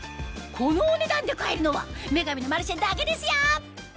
このお値段で買えるのは『女神のマルシェ』だけですよ！